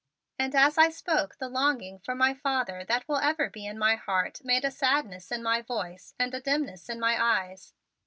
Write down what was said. And as I spoke, the longing for my father that will ever be in my heart made a sadness in my voice and a dimness in my eyes.